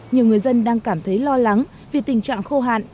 nhiều người dân đang cảm thấy lo lắng vì tình trạng khô hạn